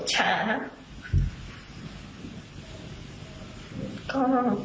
ก็ขอให้มาขอขอบทุกคนนะคะ